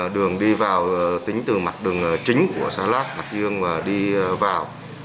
đường đi vào tính từ mặt đường chính của xã lát mặt yên và đi vào